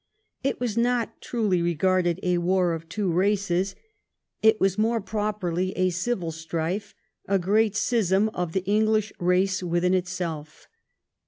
It was not, truly regarded, a war of two races ; it was more properly a civil strife, a great schism of the English race within itself.